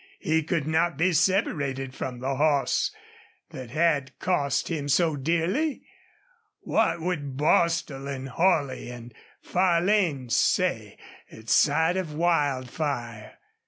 He could not be separated from the horse that had cost him so dearly. What would Bostil and Holley and Farlane say at sight of Wildfire?